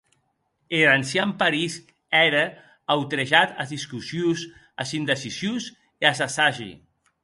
Er ancian París ère autrejat as discussions, as indecisions e as assagi.